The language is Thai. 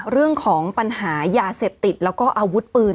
เรื่องของปัญหายาเสพติดแล้วก็อาวุธปืน